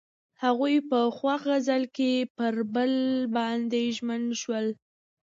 هغوی په خوښ غزل کې پر بل باندې ژمن شول.